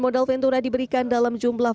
modal ventura diberikan dalam jumlah